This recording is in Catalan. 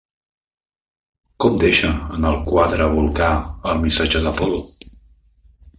Com deixa en el quadre a Vulcà el missatge d'Apol·lo?